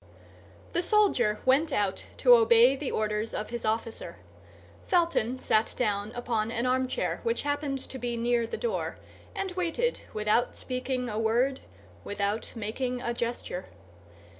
The soldier went out to obey the orders of his officer. Felton sat down upon an armchair which happened to be near the door, and waited without speaking a word, without making a gesture.